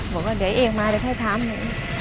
บอกว่าเดี๋ยวเอกมาเดี๋ยวค่อยทำ